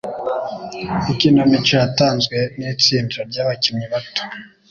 Ikinamico yatanzwe nitsinda ryabakinnyi bato.